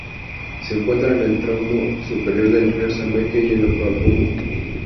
Se encuentra en el tramo superior del río Zambeze y en el Okavango.